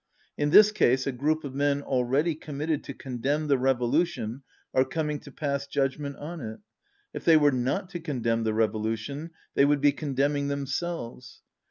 In this case a group of men already committed to condemn the revolution are com ing to pass judgment on it. If they were not to condemn the revolution they would be condemn ing themselves.